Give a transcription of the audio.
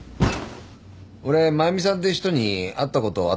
俺真由美さんって人に会ったことあったかな？